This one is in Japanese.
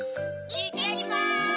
いってきます。